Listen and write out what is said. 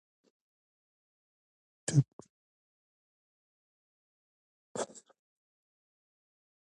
په حديث کي راځي: رسول الله صلی الله عليه وسلم فرمايلي: